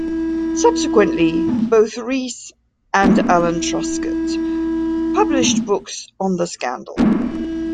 Subsequently, both Reese and Alan Truscott published books on the scandal.